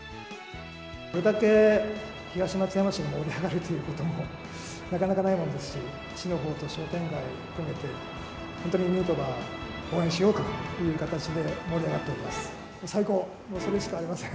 これだけ東松山市が盛り上がるということもなかなかないもんですし、市のほうと商店街含めて、本当にヌートバー、応援しようかという形で盛り上がっています。